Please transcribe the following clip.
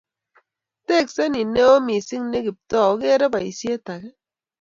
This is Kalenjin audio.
teksee ni neoo mising ne Kiptoo ogeere besiet age